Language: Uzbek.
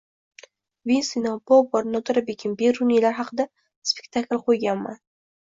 Ibn Sino, Bobur, Nodirabegim, Beruniylar haqida spektakllar qo‘yganman.